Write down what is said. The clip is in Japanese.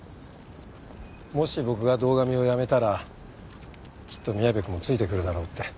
もし僕が堂上を辞めたらきっと宮部くんもついてくるだろうって。